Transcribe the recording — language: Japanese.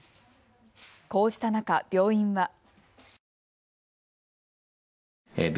こうした中、病院は。